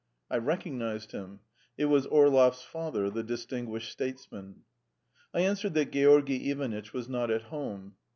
I recognised him: it was Orlov's father, the distinguished statesman. I answered that Georgy Ivanitch was not at home.